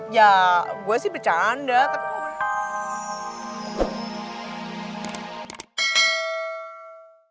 ya gue sih bercanda tapi gue